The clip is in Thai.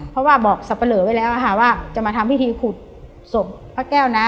เพราะว่าบอกสับปะเหลอไว้แล้วว่าจะมาทำพิธีขุดศพพระแก้วนะ